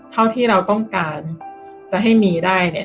เท่าที่เราต้องการจะให้มีได้เนี่ย